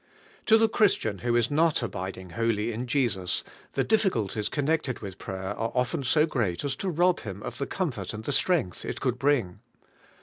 To the Christian who is not abiding wholly in Jesus, the difficulties connected with prayer are often so great as to rob him of the comfort and the strength it could bring.